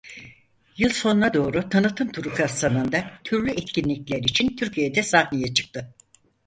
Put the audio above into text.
Yıl sonuna doğru tanıtım turu kapsamında türlü etkinlikler için Türkiye'de sahneye çıktı.